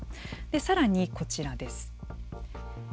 さらに、こちらです。